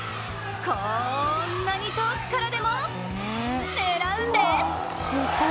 こーんなに遠くからでも狙うんです！